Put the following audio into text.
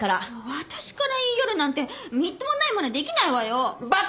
私から言い寄るなんてみっともないまねできないわよ。